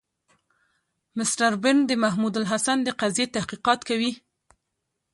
مسټر برن د محمودالحسن د قضیې تحقیقات کوي.